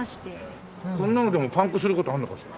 こんなのでもパンクする事あんのかしら？